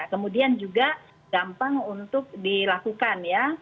kemudian juga gampang untuk dilakukan ya